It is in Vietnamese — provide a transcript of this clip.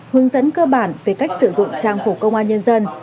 hướng dẫn cơ bản về cách sử dụng trang phục công an nhân dân